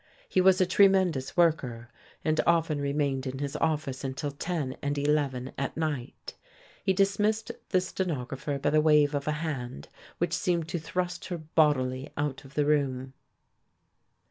He was a tremendous worker, and often remained in his office until ten and eleven at night. He dismissed the stenographer by the wave of a hand which seemed to thrust her bodily out of the room.